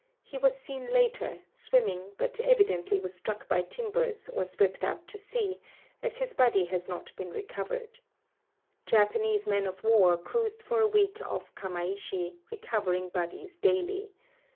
He was seen later, swimming, but evidently was struck by timbers or swej)t out to sea, as his body has not been recovered. Ja])anese men of war cruised for a week off Kamaishi, recovering bodies daily.